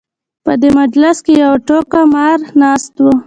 په دې مجلس کې یو ټوکه مار ناست و.